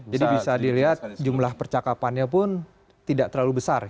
jadi bisa dilihat jumlah percakapannya pun tidak terlalu besar